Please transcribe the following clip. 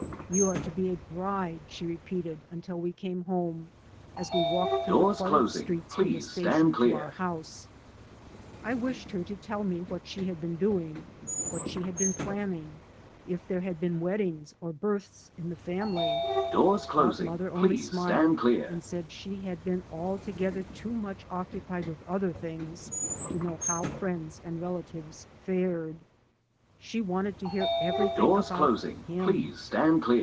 You are to be a bride," she repeated until we came home, as we walked through the cluttered streets from the station to our house. I wished her to tell me what she had been doing, what she had been planning, if there had been weddings or births in the family. But mother only smiled and said that she had been altogether too much occupied with other things to know how friends and relatives fared. She wanted to hear everything about " him."